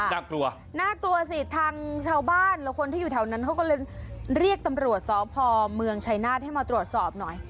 น่ากลัวน่ากลัวสิทางชาวบ้านหรือคนที่อยู่แถวนั้นเขาก็เลยเรียกตำรวจสพเมืองชัยนาฏให้มาตรวจสอบหน่อย